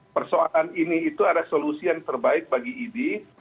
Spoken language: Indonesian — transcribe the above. persoalan ini itu adalah solusi yang terbaik bagi idi